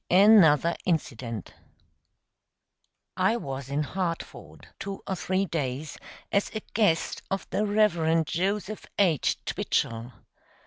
Another incident. I was in Hartford two or three days as a guest of the Rev. Joseph H. Twichell.